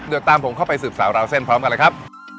เดี๋ยวตามผมเข้าไปสืบสาวราวเส้นพร้อมกันเลยครับ